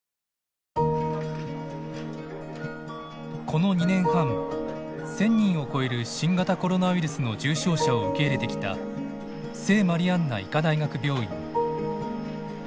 この２年半１，０００人を超える新型コロナウイルスの重症者を受け入れてきた聖マリアンナ医科大学病院。